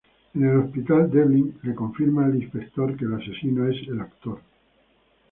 En el hospital, Devlin le confirma al inspector que el asesino es el actor.